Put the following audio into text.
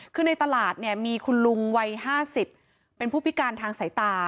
คือในตลาดเนี่ยมีคุณลุงวัย๕๐เป็นผู้พิการทางสายตา